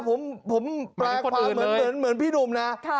ผมแปลความเหมือนพี่หนุ่มนะ